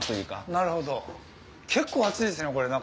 なるほど結構あついですね中。